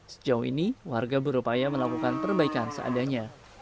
sejauh ini warga berupaya melakukan perbaikan seadanya